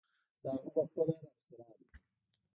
ساهو به خپله راپسې راغی.